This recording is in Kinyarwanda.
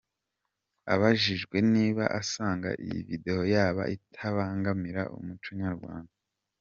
Abajijwe niba asanga iyi video yaba itabangamira umuco nyarwanda.